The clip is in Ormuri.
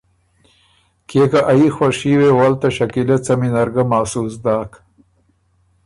کيې که ا يي خوشي وې ول ته شکیلۀ څمی نر ګه محسوس داک۔